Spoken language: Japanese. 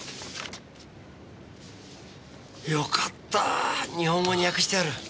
よかった日本語に訳してある。